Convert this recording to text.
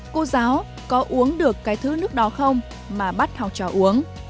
cô giáo có uống được cái thứ nước đó không mà bắt học trò uống